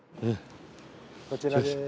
こちらです。